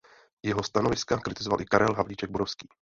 Jeho stanoviska kritizoval i Karel Havlíček Borovský.